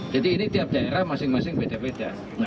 jadi ini tiap daerah masing masing beda beda